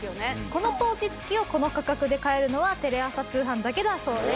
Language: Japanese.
このポーチ付きをこの価格で買えるのはテレ朝通販だけだそうです。